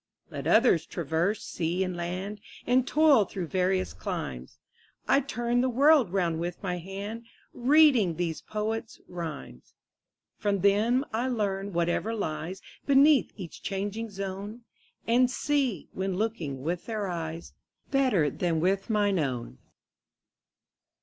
Let others traverse sea and land, And toil through various climes, 30 I turn the world round with my hand Reading these poets' rhymes. From them I learn whatever lies Beneath each changing zone, And see, when looking with their eyes, 35 Better than with mine own.